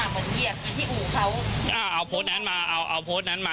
ผมไม่เข้าใจว่าเขามาคิดว่าผมแฟกเขาได้ยังไง